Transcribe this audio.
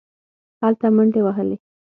هلته منډې وهلې.